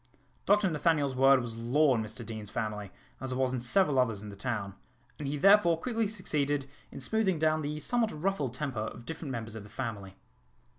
Dr Nathaniel's word was law in Mr Deane's family, as it was in several others in the town, and he therefore quickly succeeded in smoothing down the somewhat ruffled temper of different members of the family.